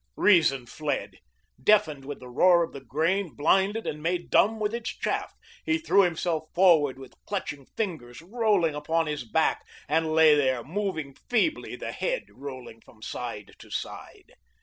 Reason fled. Deafened with the roar of the grain, blinded and made dumb with its chaff, he threw himself forward with clutching fingers, rolling upon his back, and lay there, moving feebly, the head rolling from side to side.